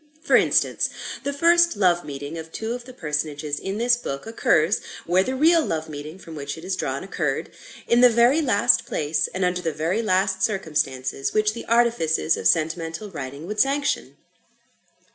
For instance, the first love meeting of two of the personages in this book, occurs (where the real love meeting from which it is drawn, occurred) in the very last place and under the very last circumstances which the artifices of sentimental writing would sanction.